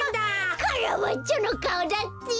カラバッチョのかおだって！